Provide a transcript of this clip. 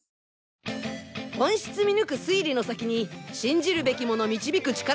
本質見抜く推理の先に信じるべきもの導く力